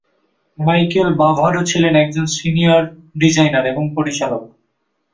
Michael Bavaro ছিলেন একজন senior designer এবং পরিচালক।